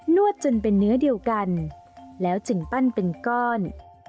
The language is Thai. วดจนเป็นเนื้อเดียวกันแล้วจึงปั้นเป็นก้อน